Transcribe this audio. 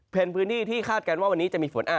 เป็นพื้นที่ที่คาดการณ์ว่าวันนี้จะมีฝน